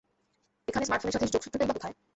এখানে স্মার্টফোনের সাথে যোগসূত্রটাই বা কোথায়?